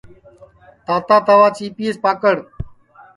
تاتا توا چیپئیس پکڑ